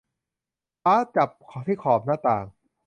ฟ้าจับที่ขอบหน้าต่าง